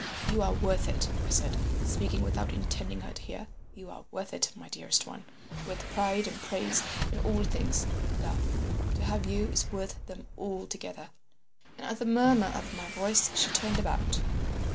"'You are worth it,' I said, speaking without intending her to hear; 'you are worth it, my dearest one; worth pride and praise and all things. Love! to have you is worth them all together.' And at the murmur of my voice she turned about.